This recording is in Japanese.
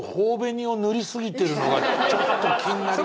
ちょっと気になります。